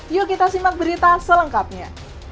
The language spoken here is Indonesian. yuk kita simak berita selengkapnya